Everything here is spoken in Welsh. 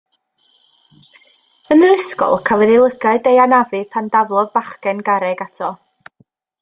Yn yr ysgol cafodd ei lygad ei anafu pan daflodd bachgen garreg ato.